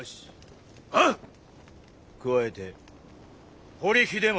加えて堀秀政。